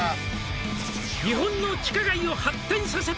「日本の地下街を発展させた」